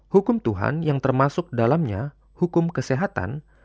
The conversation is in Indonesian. hukum tuhan yang termasuk dalamnya hukum kesehatan